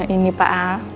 ini pak al